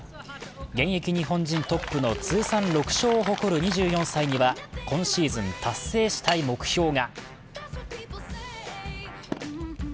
現役日本人のトップの通算６勝を誇る２４歳には今シーズン達成したい目標が。